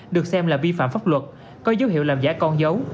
được xem là vi phạm pháp luật có dấu hiệu làm giả con dấu